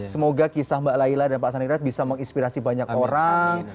semoga kisah mbak layla dan pak sanirat bisa menginspirasi banyak orang